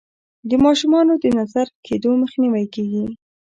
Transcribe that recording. د ماشومانو د نظر کیدو مخنیوی کیږي.